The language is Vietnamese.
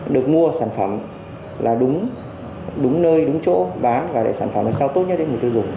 được mua sản phẩm là đúng đúng nơi đúng chỗ bán và đại sản phẩm là sao tốt nhất để người tiêu dùng